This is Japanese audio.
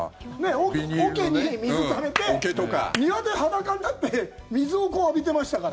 桶に水ためて、庭で裸になって水をこう浴びてましたから。